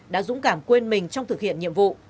đã dũng cảm quên mình trong thực hiện nhiệm vụ